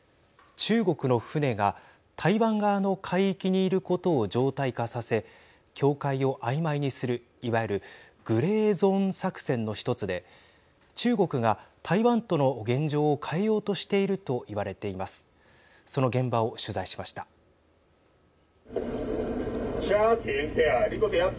中国の船が台湾側の海域にいることを常態化させ境界をあいまいにするいわゆるグレーゾーン作戦の１つで中国が台湾との現状を変えようとしていると言われています。